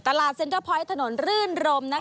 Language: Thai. ตลาดเซ็นเตอร์พอยท์ถนนรื่นรมนะครับ